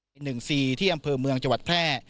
ที่๔๑สี่ที่แอมพิวเมืองจังหวัดแพร่